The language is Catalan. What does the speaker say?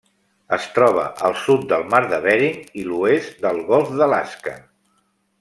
Es troba al sud del mar de Bering i l'oest del Golf d'Alaska.